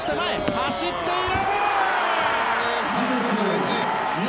走っている！